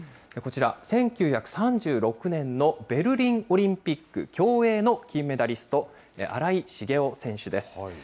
こちら、１９３６年のベルリンオリンピック、競泳の金メダリスト、新井茂雄選手です。